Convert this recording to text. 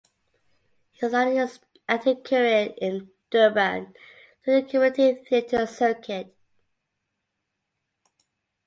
He started his acting career in Durban through the community theatre circuit.